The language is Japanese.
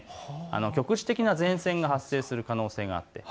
局地的な前線が発生する可能性があります。